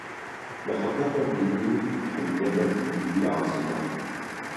mihebeta millî, hemiyeta millî lazim e.